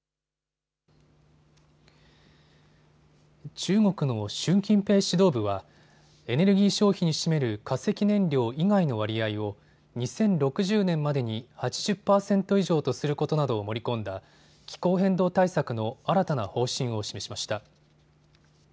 中国の習近平指導部はエネルギー消費に占める化石燃料以外の割合を２０６０年までに８０％以上とすることなどを盛り込んだ気候変動対策の新たな方針を示しました。